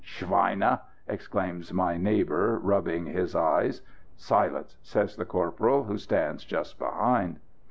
"Schweine!" exclaims my neighbour, rubbing his eyes. "Silence!" says the corporal who stands just behind.